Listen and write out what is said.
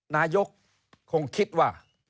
นายกคงคิดว่า